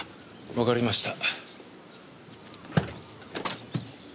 わかりました。